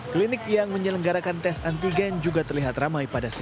klinik yang menyelenggarakan tes antigen juga terlihat ramai pada siang